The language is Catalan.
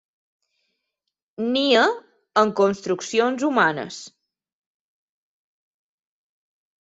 Nia en construccions humanes.